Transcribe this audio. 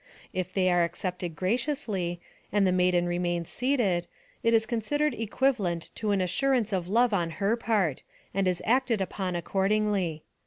If they are accepted graciously, and the maiden remains seated, it is considered equivalent to an assurance of love on her part, and is acted upon accordingly.